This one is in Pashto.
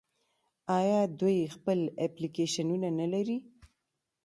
آیا دوی خپل اپلیکیشنونه نلري؟